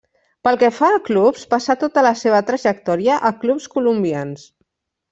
Pel que fa a clubs, passà tota la seva trajectòria a clubs colombians.